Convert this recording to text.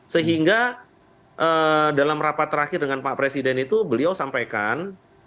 sehingga dalam rapat terakhir dengan pak presiden itu beliau sampaikan